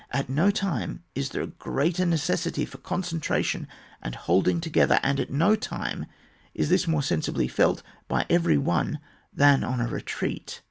At no time is there a greater necessity for concentration and holding together, and at no time is this more sensibly felt by every one than on a retreat.